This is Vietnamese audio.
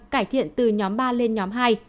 cải thiện từ nhóm ba lên nhóm hai